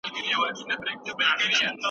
چاچي پښتونخوا د پنجابي خاوره بللې وه